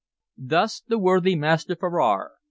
Thus the worthy Master Ferrar.